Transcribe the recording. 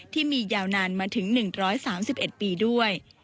ที่มียาวนานมาถึง๑๓๑ปีด้วย